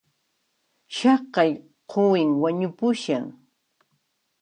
Chaqay quwin wañupushan